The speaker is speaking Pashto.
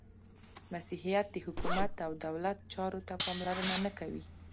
• مسیحیت د حکومت او دولت چارو ته پاملرنه نهکوي.